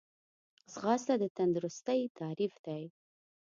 ځغاسته د تندرستۍ تعریف دی